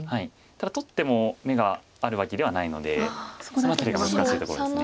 ただ取っても眼があるわけではないのでその辺りが難しいところです。